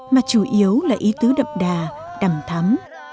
mà chủ yếu là ý tứ đậm đà đầm thắm